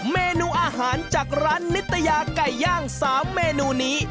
เมนูอาหารจากร้านนิตยาไก่ย่าง๓เมนูนี้